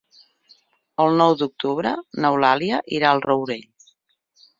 El nou d'octubre n'Eulàlia irà al Rourell.